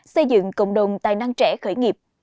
xây dựng cộng đồng tài năng trẻ khởi nghiệp